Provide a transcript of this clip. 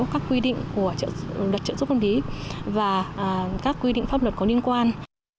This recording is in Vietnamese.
các quy định của luật trợ giúp pháp lý và các quy định pháp luật có liên quan